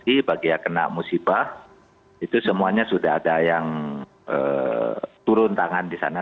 jadi bagi yang kena musibah itu semuanya sudah ada yang turun tangan di sana